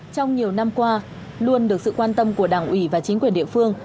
trong nhiều năm qua luôn được sự quan tâm của đảng ủy và chính quyền địa phương